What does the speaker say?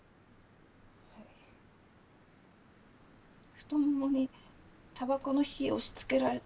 太ももにたばこの火押しつけられたりして。